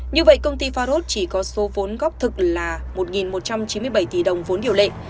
như vậy công ty farod chỉ có số vốn góp thực là một một trăm chín mươi bảy tỷ đồng vốn điều lệ